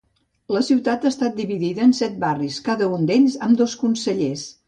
La ciutat ha estat dividida en set barris, cada un d'ells amb dos consellers.